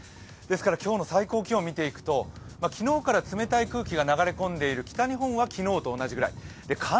今日の最高気温を見ていくと、昨日から冷たい空気が流れ込んでいる北日本は昨日と同じくらい。